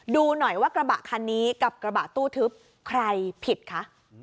ดูหน่อยว่ากระบะคันนี้กับกระบะตู้ทึบใครผิดคะ